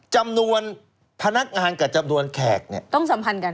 จำนวนพนักงานกับจำนวนแขกเนี่ยต้องสัมพันธ์กัน